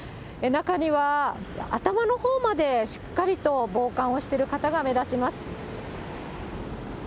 中には、頭のほうまでしっかりと防寒をしてる方が目立ちます。